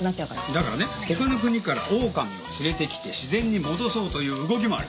だからね他の国からオオカミを連れてきて自然に戻そうという動きもある。